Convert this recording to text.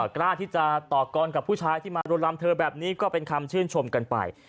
กล้าที่จะต่อกรกับผู้ชายที่มารุนรำเธอแบบนี้ก็เป็นคำชื่นชมกันไป